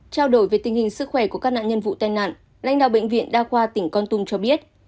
trao đổi về tình hình sức khỏe của các nạn nhân vụ tai nạn lãnh đạo bệnh viện đa khoa tỉnh con tum cho biết